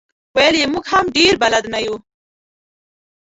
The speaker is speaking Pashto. ویل یې موږ هم ډېر بلد نه یو.